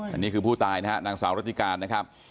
อันนี้คือผู้ตายนะฮะนางสาวรัติการนะครับ